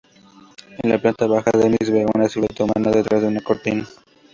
En la planta baja, Dennis ve una silueta humana detrás de una cortina.